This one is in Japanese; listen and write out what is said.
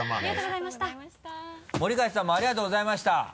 森開さんもありがとうございました。